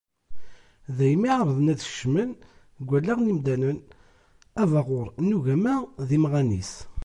Daymi i εerḍen ad skecmen deg wallaɣ n yimdanen abaɣur n ugama d yimɣan-is.